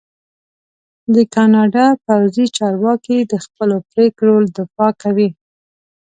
د کاناډا پوځي چارواکي د خپلو پرېکړو دفاع کوي.